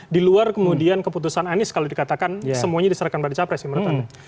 di luar kemudian keputusan anies kalau dikatakan semuanya diserahkan pada capres ya menurut anda